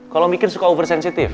kalau mikir suka over sensitif